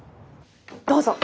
どうぞ。